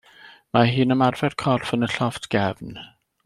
Mae hi'n ymarfer corff yn y llofft gefn.